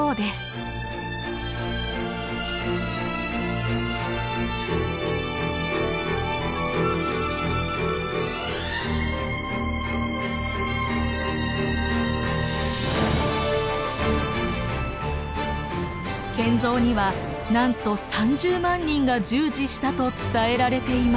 建造にはなんと３０万人が従事したと伝えられています。